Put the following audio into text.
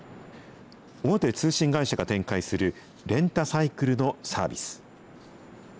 大手通信会社が展開するレンタサイクルのサービス。